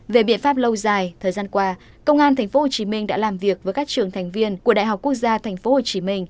về biện pháp lâu dài thời gian qua công an tp hcm đã làm việc với các trường thành viên của đại học quốc gia tp hcm